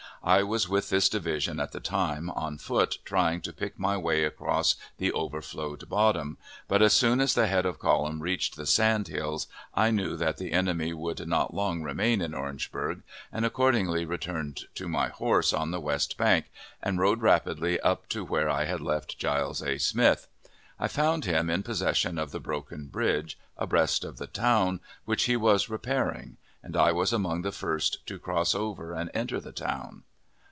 I was with this division at the time, on foot, trying to pick my way across the overflowed bottom; but, as soon as the head of column reached the sand hills, I knew that the enemy would not long remain in Orangeburg, and accordingly returned to my horse, on the west bank, and rode rapidly up to where I had left Giles A. Smith. I found him in possession of the broken bridge, abreast of the town, which he was repairing, and I was among the first to cross over and enter the town.